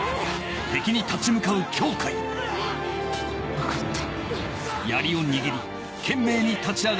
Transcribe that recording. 分かった。